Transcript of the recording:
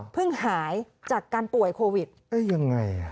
เพิ่งหายจากการป่วยโควิดยังไง